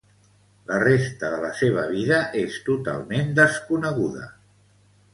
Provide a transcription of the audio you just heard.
La resta de la seva vida és totalment desconeguda.